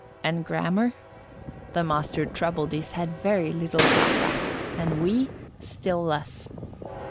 And grammar? The master troubled his head very little about that; and we still less.